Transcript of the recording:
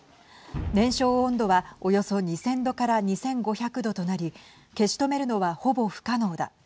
燃焼温度は、およそ２０００度から２５００度となり消し止めるのは、ほぼ不可能だ。